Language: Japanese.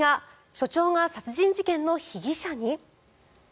署長が殺人事件の被疑者に？